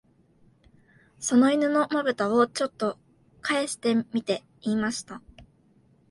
その犬の眼ぶたを、ちょっとかえしてみて言いました